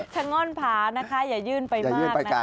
ชะง่อนผานะคะอย่ายื่นไปมากนะคะ